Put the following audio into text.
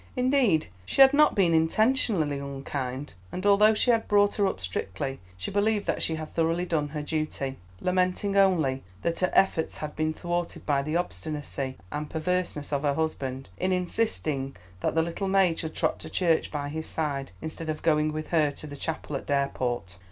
Indeed, she had not been intentionally unkind, and although she had brought her up strictly, she believed that she had thoroughly done her duty; lamenting only that her efforts had been thwarted by the obstinacy and perverseness of her husband in insisting that the little maid should trot to church by his side, instead of going with her to the chapel at Dareport.